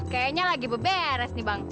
kayaknya lagi beberes nih bang